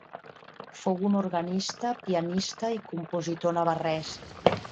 Fou un organista, pianista i compositor navarrès.